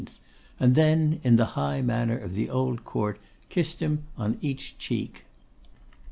and then, in the high manner of the old Court, kissed him on each cheek.